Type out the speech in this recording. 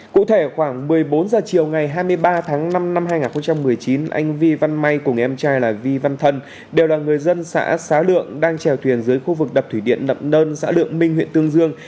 cụ thể khoảng một mươi bốn h chiều ngày hai mươi ba tháng năm năm hai nghìn một mươi chín anh vi văn may cùng em trai là vi văn thân đều là người dân xã xá lượng đang trèo thuyền dưới khu vực đập thủy điện nậm nơn xã lượng minh huyện tương dương